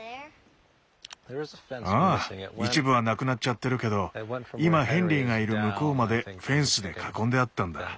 ああ一部はなくなっちゃってるけど今ヘンリーがいる向こうまでフェンスで囲んであったんだ。